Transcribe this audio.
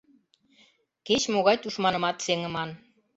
Кеч-могай тушманымат сеҥыман!